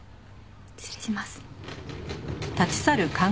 失礼します。